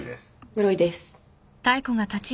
室井です。